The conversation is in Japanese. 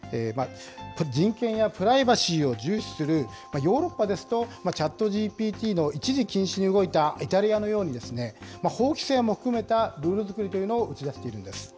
人権やプライバシーを重視するヨーロッパですと、チャットＧＰＴの一時禁止に動いたイタリアのように、法規制も含めたルール作りというのを打ち出しているんです。